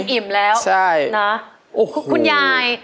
อิ่มแล้วใช่นะโอ้โหคุณยาย